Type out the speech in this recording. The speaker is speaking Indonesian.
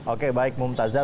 oke baik mumtazah